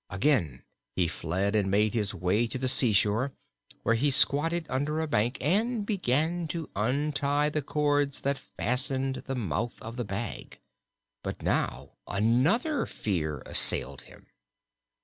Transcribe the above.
Again he fled and made his way to the seashore, where he squatted under a bank and began to untie the cords that fastened the mouth of the bag. But now another fear assailed him.